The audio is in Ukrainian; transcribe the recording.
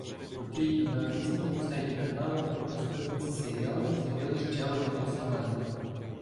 В квітні на офіційному сайті каналу на сторінці серіалу з'явилось ще одне посилання.